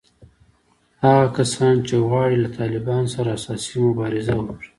هغه کسان چې غواړي له طالبانو سره اساسي مبارزه وکړي